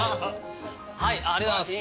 ありがとうございます。